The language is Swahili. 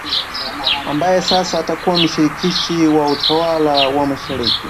ambaye sasa atakuwa mshirikishi wa utawala wa mashariki